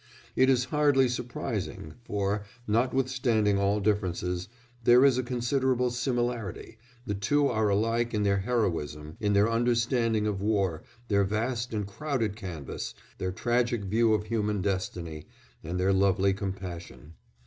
It is hardly surprising, for, notwithstanding all differences, there is a considerable similarity the two are alike in their heroism, in their understanding of war, their vast and crowded canvas, their tragic view of human destiny, and their lovely compassion.